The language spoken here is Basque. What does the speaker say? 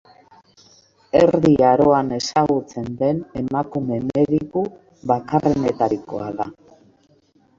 Erdi Aroan ezagutzen den emakume mediku bakarrenetarikoa da.